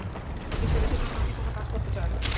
এ-দেশের বেশির ভাগ লোকই কোনো কাজ করতে চায় না।